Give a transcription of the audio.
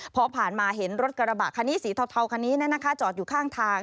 พอผ่านมาเห็นรถกระบะคันนี้สีเทาคันนี้จอดอยู่ข้างทาง